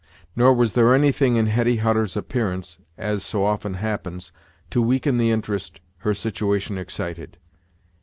Nor was there any thing in Hetty Hutter's appearance, as so often happens, to weaken the interest her situation excited.